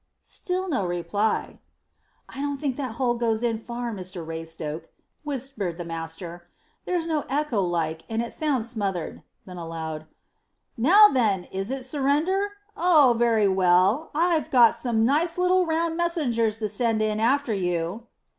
Still no reply. "I don't think that hole goes in far, Mr Raystoke," whispered the master. "There's no echo like, and it sounds smothered." Then aloud, "Now, then, is it surrender? Oh, very well; I've got some nice little round messengers to send in after you."